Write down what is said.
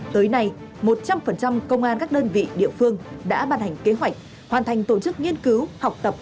tới nay một trăm linh công an các đơn vị địa phương đã bàn hành kế hoạch hoàn thành tổ chức nghiên cứu học tập